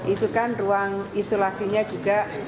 itu kan ruang isolasinya juga